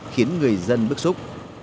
khiến người dân bức xúc